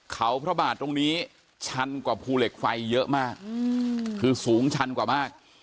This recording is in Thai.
เขาพระบาทตรงนี้ชันกว่าภูเหล็กไฟเยอะมากคือสูงชันกว่ามาก